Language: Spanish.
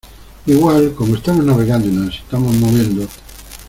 igual, como estamos navegando y nos estamos moviendo